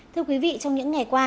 thưa quý vị trong những ngày qua